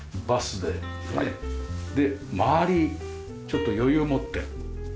で回りちょっと余裕を持って。